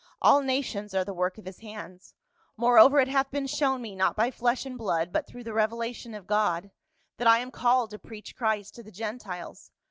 "All nations are the work of his hands. Moreover it hath been shown me, not by flesh and blood but through the revelation of God, that I am called to preach Christ to the Gentiles.